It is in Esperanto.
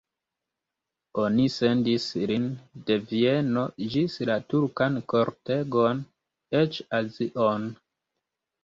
Oni sendis lin de Vieno ĝis la turkan kortegon, eĉ Azion.